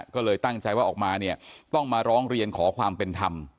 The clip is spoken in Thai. ก็เลยตั้งใจว่าออกมาเนี่ยต้องมาร้องเรียนขอความเป็นธรรม